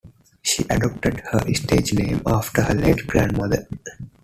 She adopted her stage name after her late grandmother.